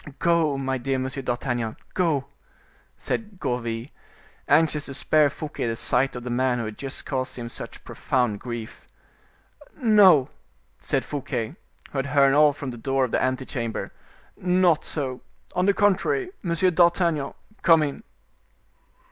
"Go, my dear Monsieur d'Artagnan, go," said Gourville, anxious to spare Fouquet the sight of the man who had just caused him such profound grief. "No," said Fouquet, who had heard all from the door of the ante chamber; "not so; on the contrary, Monsieur d'Artagnan, come in."